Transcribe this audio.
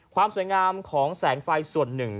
ความสวยงามของแสงไฟส่วนหนึ่ง